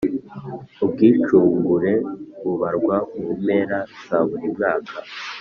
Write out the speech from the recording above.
Ubwicungure bubarwa mu mpera za buri mwaka